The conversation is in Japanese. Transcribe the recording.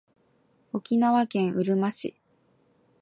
沖縄県うるま市